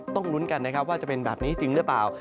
ต้องลุ้นกันนะครับว่าจะเป็นแบบนี้จริงหรือเปล่า